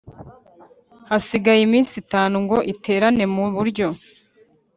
hasigaye iminsi itanu ngo iterane mu buryo